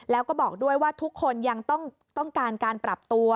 แล้วก็บอกด้วยว่าทุกคนยังต้องการการปรับตัว